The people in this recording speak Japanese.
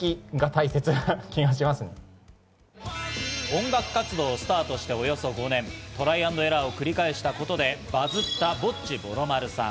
音楽活動をスタートしておよそ５年、トライ＆エラーを繰り返したことでバズった、ぼっちぼろまるさん。